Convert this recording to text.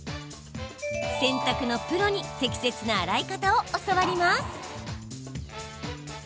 洗濯のプロに適切な洗い方を教わります。